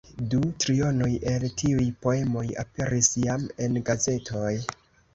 Du trionoj el tiuj poemoj aperis jam en gazetoj.